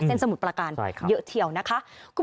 เส้นสมุดประการเยอะเทียวนะคะ